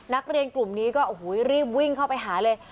นักเรียนกลุ่มนี้ก็โอ้โหรีบวิ่งเข้าไปหาเลย